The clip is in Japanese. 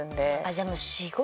じゃあもう仕事。